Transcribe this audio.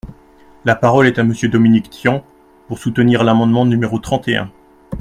La parole est à Monsieur Dominique Tian, pour soutenir l’amendement numéro trente et un.